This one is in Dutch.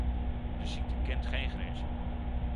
De ziekte kent geen grenzen.